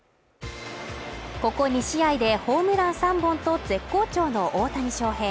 ここ２試合でホームラン３本と絶好調の大谷翔平